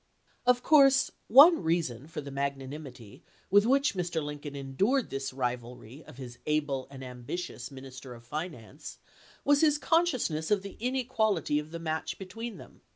Of course one reason for the magnanimity with which Mr. Lincoln endured this rivalry of his able and ambitious minister of finance was his con sciousness of the inequality of the match between them.